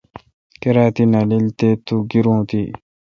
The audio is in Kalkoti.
کیر تی نالان تے تو گیرو تی۔